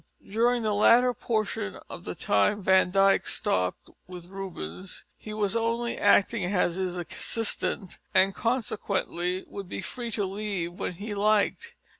During the latter portion of the time Van Dyck stopped with Rubens he was only acting as his assistant, and consequently would be free to leave when he liked.